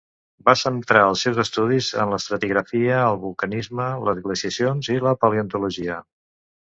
Va centrar els seus estudis en l'estratigrafia, el vulcanisme, les glaciacions i la paleontologia.